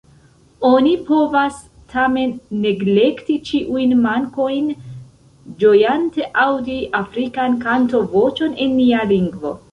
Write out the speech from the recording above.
Oni povas tamen neglekti ĉiujn mankojn, ĝojante aŭdi afrikan kanto-voĉon en nia lingvo.